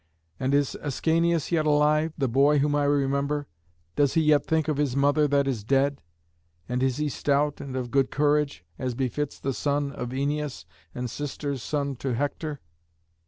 And is Ascanius yet alive the boy whom I remember? Does he yet think of his mother that is dead? And is he stout and of a good courage, as befits the son of Æneas and sister's son to Hector?"